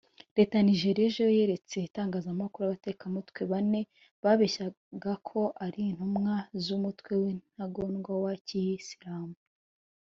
Leta ya Nigeria ejo yeretse itangazamakuru abatekamutwe bane babeshyaga ko ari intumwa z’umutwe w’intagondwa wa Kiyisiramu